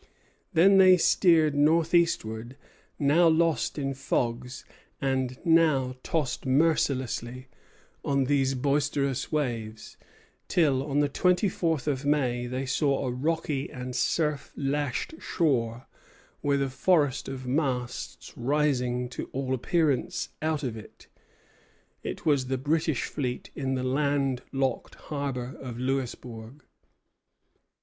Then they steered northeastward, now lost in fogs, and now tossed mercilessly on those boisterous waves; till, on the twenty fourth of May, they saw a rocky and surf lashed shore, with a forest of masts rising to all appearance out of it. It was the British fleet in the land locked harbor of Louisbourg.